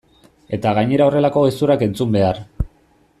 Eta gainera horrelako gezurrak entzun behar!